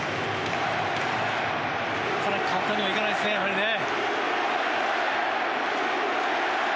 なかなか簡単にはいかないですねやはりね。